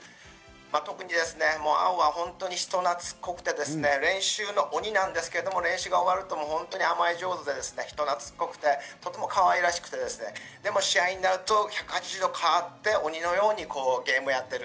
特に碧は本当に人懐っこくて、練習の鬼なんですけれども練習が終わると甘え上手で人懐っこくてとてもかわいらしくって、でも試合になると１８０度変わって、鬼のようにゲームをやっている。